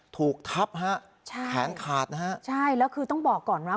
ถูกทับฮะใช่แขนขาดนะฮะใช่แล้วคือต้องบอกก่อนว่า